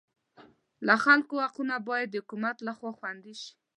د خلکو حقونه باید د حکومت لخوا خوندي شي.